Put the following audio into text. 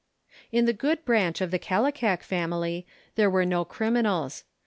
In the good branch of the Kallikak family there were no criminals.